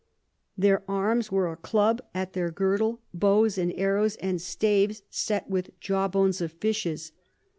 Their Arms were a Club at their Girdle, Bows and Arrows, and Staves set with Jawbones of Fishes.